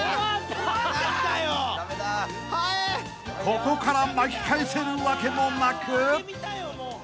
［ここから巻き返せるわけもなく］